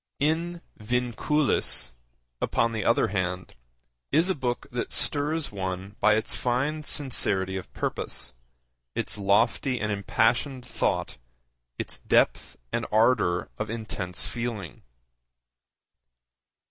In Vinculis, upon the other hand, is a book that stirs one by its fine sincerity of purpose, its lofty and impassioned thought, its depth and ardour of intense feeling.